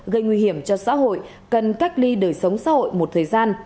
gây nguy hiểm cho xã hội cần cách ly đời sống xã hội một thời gian